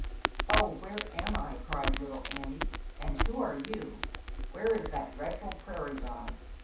"Oh, where am I?" cried little Annie, "and who are you? Where is that dreadful prairie dog?